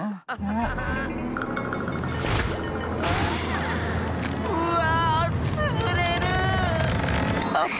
ああ。